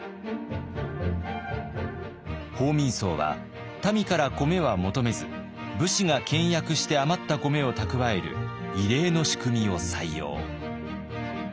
報民倉は民から米は求めず武士が倹約して余った米を蓄える異例の仕組みを採用。